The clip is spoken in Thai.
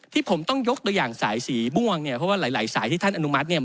ที่ผมต้องยกตัวอย่างสายสีม่วงเนี่ยเพราะว่าหลายหลายสายที่ท่านอนุมัติเนี่ย